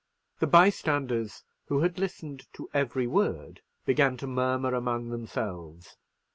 The bystanders, who had listened to every word, began to murmur among themselves.